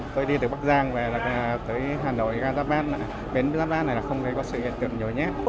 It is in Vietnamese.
tôi đi từ bắc giang về là tới hà nội ra giáp bát bến giáp bát này là không thấy có sự hiện tượng nhồi nhét